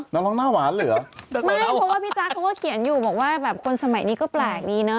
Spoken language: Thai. ไม่เพราะว่าพี่จ๊ะเขาเขียนอยู่บอกว่าแบบคนสมัยนี่ก็แปลกดีนะ